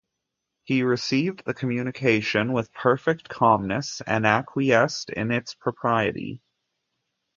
He received the communication with perfect calmness, and acquiesced in its propriety.